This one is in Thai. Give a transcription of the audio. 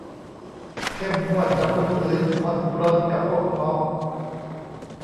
เข้มงวดกับคนอื่น ผ่อนปรนกับพวกพ้อง